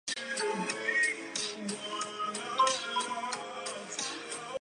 之后周永恒直认和周永恒模特儿公司助手兼拍档的港视小花刘依静搞婚外情。